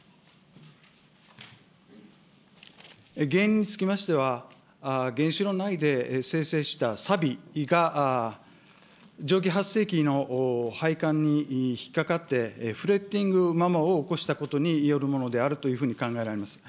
原因につきましては、原子炉内で生成したさびが蒸気発生器の配管に引っかかって、を起こしたことによるものであると考えられております。